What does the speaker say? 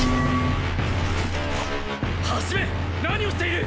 一何をしている！